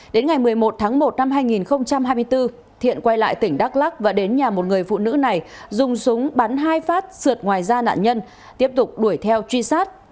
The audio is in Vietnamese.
đến ngày một mươi một tháng một năm hai nghìn hai mươi bốn thiện quay lại tỉnh đắk lắc và đến nhà một người phụ nữ này dùng súng bắn hai phát sượt ngoài da nạn nhân tiếp tục đuổi theo truy sát